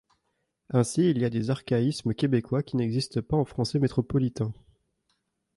Ainsi, il y a des archaïsmes québécois qui n'existent pas en français métropolitain.